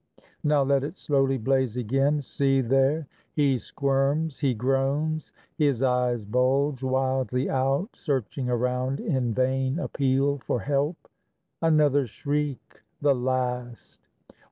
Now let it slowly blaze again. See there! He squirms! He groans! His eyes bulge wildly out, Searching around in vain appeal for help! Another shriek, the last!